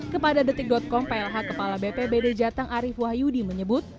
kepada detik com plh kepala bp bd jatang arief wahyudi menyebut